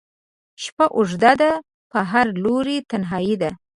شپه اوږده ده په هر لوري تنهایي ده